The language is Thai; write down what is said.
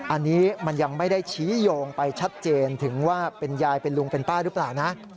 อันนี้มันยังไม่ได้ชี้โยงไปชัดเจนถึงว่าเป็นยายเป็นลุงเป็นป้าหรือเปล่านะ